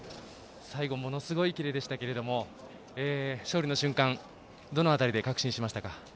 最後、ものすごい切れでしたけども勝利の瞬間、どの辺りで確信しましたか？